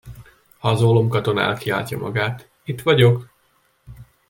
Ha az ólomkatona elkiáltja magát: itt vagyok!